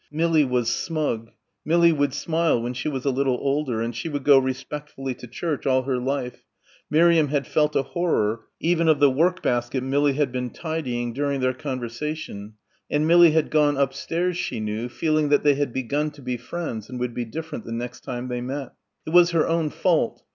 Millie was smug. Millie would smile when she was a little older and she would go respectfully to church all her life Miriam had felt a horror even of the work basket Millie had been tidying during their conversation and Millie had gone upstairs, she knew, feeling that they had "begun to be friends" and would be different the next time they met. It was her own fault.